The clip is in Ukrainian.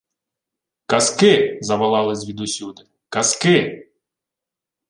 — Казки! — заволали звідусюди. — Казки!